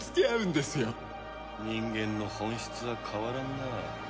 人間の本質は変わらんな。